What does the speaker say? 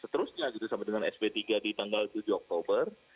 seterusnya gitu sampai dengan sp tiga di tanggal tujuh oktober